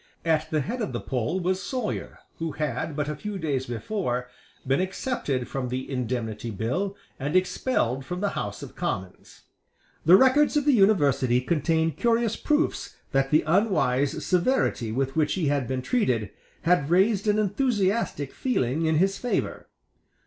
At the head of the poll was Sawyer, who had, but a few days before, been excepted from the Indemnity Bill and expelled from the House of Commons. The records of the University contain curious proofs that the unwise severity with which he had been treated had raised an enthusiastic feeling in his favour.